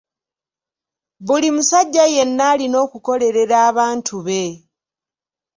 Buli musajja yenna alina okukolerera abantu be.